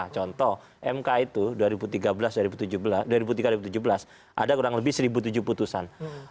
contoh mk itu dua ribu tiga belas dua ribu tiga dua ribu tujuh belas ada kurang lebih satu tujuh putusan